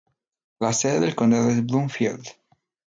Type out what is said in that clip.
La sede del condado es Bloomfield.